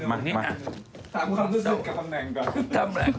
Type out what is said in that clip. ตามคำสู้สิ้นกับคำแหน่งก่อน